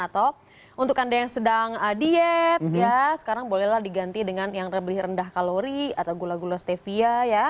atau untuk anda yang sedang diet ya sekarang bolehlah diganti dengan yang lebih rendah kalori atau gula gula stevia ya